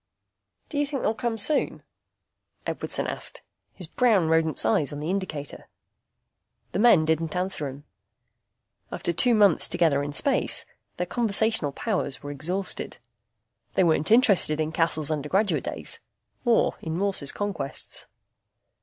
"Do you think they'll come soon?" Edwardson asked, his brown rodent's eyes on the indicator. The men didn't answer him. After two months together in space their conversational powers were exhausted. They weren't interested in Cassel's undergraduate days, or in Morse's conquests.